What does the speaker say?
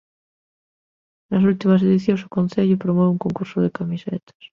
Nas últimas edicións o concello promove un concurso de camisetas.